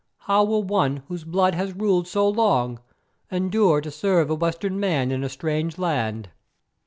How will one whose blood has ruled so long endure to serve a Western man in a strange land?"